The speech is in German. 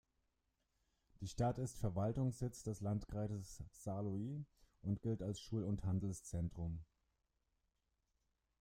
Die Stadt ist Verwaltungssitz des Landkreises Saarlouis und gilt als Schul- und Handelszentrum.